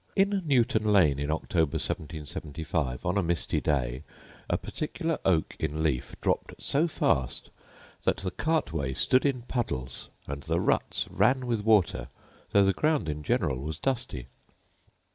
In Newton lane, in October 1775, on a misty day, a particular oak in leaf dropped so fast that the cart way stood in puddles and the ruts ran with water, though the ground in general was dusty.